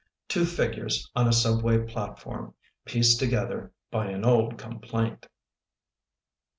Two figures on a subway platform, Pieced together by an old complaint.